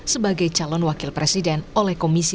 sebagai calon wakil presiden oleh komisi